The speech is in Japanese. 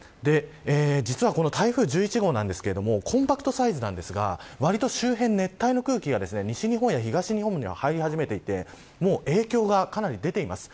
実は、この台風１１号なんですけれどコンパクトサイズなんですがわりと周辺、熱帯の空気が西日本や東日本に入り始めていて影響がかなり出ています。